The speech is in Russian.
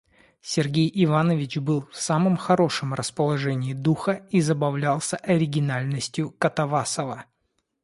Сергей Иванович был в самом хорошем расположении духа и забавлялся оригинальностью Катавасова.